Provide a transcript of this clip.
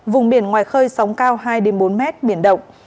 vùng biển ngoài khơi sóng cao hai bốn mét biển động